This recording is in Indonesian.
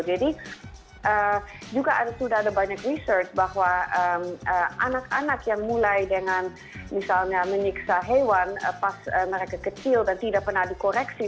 jadi juga sudah ada banyak research bahwa anak anak yang mulai dengan misalnya menyiksa hewan pas mereka kecil dan tidak pernah dikoreksi